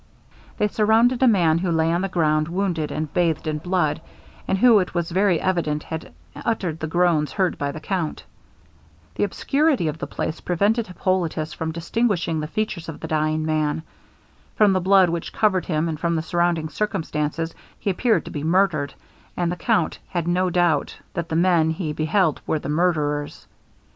They surrounded a man who lay on the ground wounded, and bathed in blood, and who it was very evident had uttered the groans heard by the count. The obscurity of the place prevented Hippolitus from distinguishing the features of the dying man. From the blood which covered him, and from the surrounding circumstances, he appeared to be murdered; and the count had no doubt that the men he beheld were the murderers.